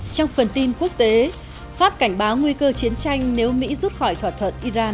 trong phần tin quốc tế pháp cảnh báo nguy cơ chiến tranh nếu mỹ rút khỏi thỏa thuận iran